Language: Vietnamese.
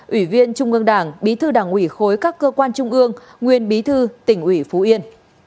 ủy viên trung ương đảng bí thư đảng ủy khối các cơ quan trung ương nguyên bí thư tỉnh ủy phú yên